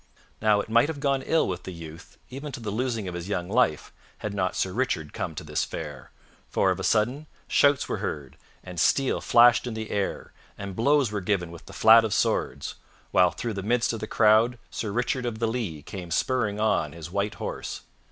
Now it might have gone ill with the youth, even to the losing of his young life, had not Sir Richard come to this fair; for of a sudden, shouts were heard, and steel flashed in the air, and blows were given with the flat of swords, while through the midst of the crowd Sir Richard of the Lea came spurring on his white horse.